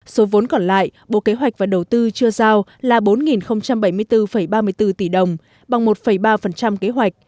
số vốn còn lại bộ kế hoạch và đầu tư chưa giao là bốn bảy mươi bốn ba mươi bốn tỷ đồng bằng một ba kế hoạch